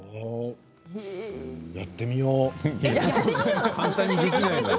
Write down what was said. やってみよう。